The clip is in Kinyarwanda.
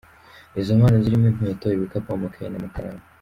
Izo mpano zirimo inkweto, ibikapu, amakaye n’ amakaramu.